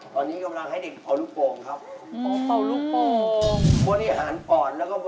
ตอนนี้กำลังให้เด็กเป่าลูกโป่งครับ